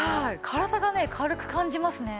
体がね軽く感じますね。